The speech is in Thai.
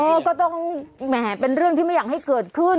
ก็ต้องแหมเป็นเรื่องที่ไม่อยากให้เกิดขึ้น